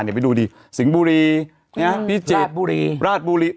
อย่าไปดูสิสิงบุรีพี่เจศราชบุรี